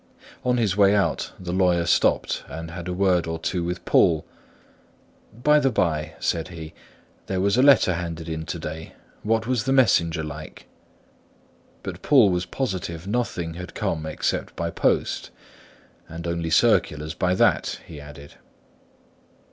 On his way out, the lawyer stopped and had a word or two with Poole. "By the bye," said he, "there was a letter handed in to day: what was the messenger like?" But Poole was positive nothing had come except by post; "and only circulars by that," he added.